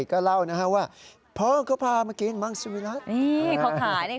ก็เล่านะฮะว่าพ่อก็พามากินมังสุวิรัตินี่เขาขายใน